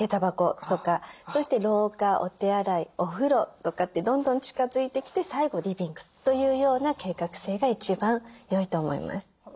そして廊下お手洗いお風呂とかってどんどん近づいてきて最後リビングというような計画性が一番よいと思います。